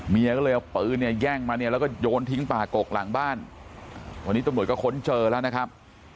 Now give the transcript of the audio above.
เมียก็เลยเอาปืนเนี่ยแย่งมาเนี่ยแล้วก็โยนทิ้งป่ากกหลังบ้านวันนี้ตำรวจก็ค้นเจอแล้วนะครับ